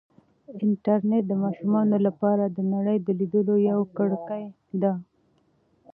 انټرنیټ د ماشومانو لپاره د نړۍ د لیدلو یوه کړکۍ ده.